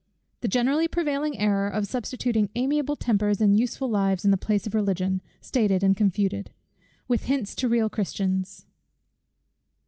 _The generally prevailing Error, of substituting amiable Tempers and useful Lives in the place of Religion, stated and confuted; with Hints to real Christians.